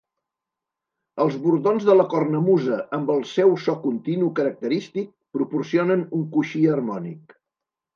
Els bordons de la cornamusa, amb el seu so continu característic, proporcionen un coixí harmònic.